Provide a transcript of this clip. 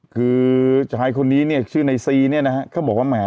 คือชายคนนี้เนี่ยชื่อไนซีท่าบอกว่าเนี่ย